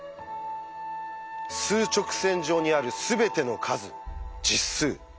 数直線上にあるすべての数「実数」。